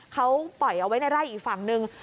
เขาปล่อยเอาไว้ในไร่อีกฝั่งหนึ่ง